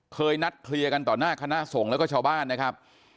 นัดเคลียร์กันต่อหน้าคณะสงฆ์แล้วก็ชาวบ้านนะครับ